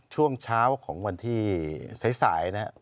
ช่วงเช้าของวันที่สายนะครับ